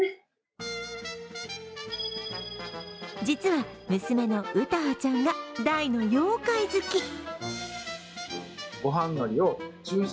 実は娘の詠葉ちゃんが大の妖怪好き。